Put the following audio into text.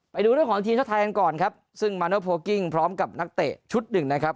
ไปดูเรื่องของทีมชาติไทยกันก่อนครับซึ่งมาโนโพลกิ้งพร้อมกับนักเตะชุดหนึ่งนะครับ